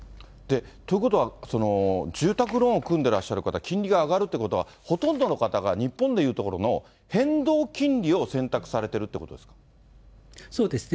ということは、住宅ローンを組んでらっしゃる方、金利が上がるということは、ほとんどの方が日本でいうところの変動金利を選択されているといそうですね、